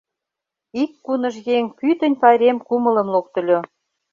Ик куныж еҥ пӱтынь пайрем кумылым локтыльо.